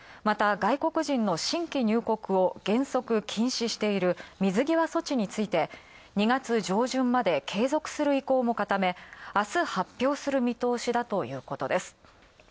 また、外国人の新規入国を原則禁止している水際措置について、２月上旬まで継続する意向を固め、あす発表する見通しだということです。